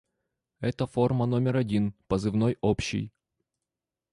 Это форма номер один позывной общий.